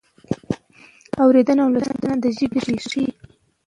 اورېدنه او لوستنه د ژبې ریښې دي.